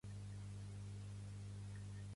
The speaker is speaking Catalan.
L'edici